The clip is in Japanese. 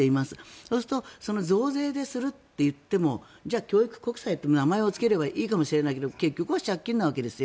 そうすると増税でするといってもじゃあ教育国債という名前をつければいいかもしれないけれど結局は借金のわけですよ。